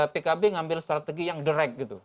pkb ngambil strategi yang derek gitu